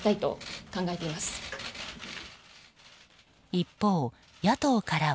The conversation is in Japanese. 一方、野党からは。